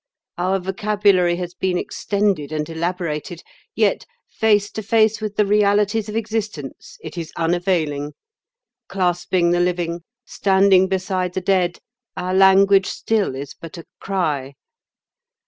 Our vocabulary has been extended and elaborated, yet face to face with the realities of existence it is unavailing. Clasping the living, standing beside the dead, our language still is but a cry.